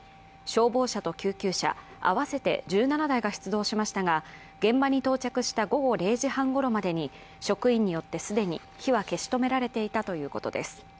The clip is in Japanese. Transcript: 消防車と救急車合わせて１７台が出動しましたが、現場に到着した午後０時半ごろまでに職員によって既に火は消し止められていたということです。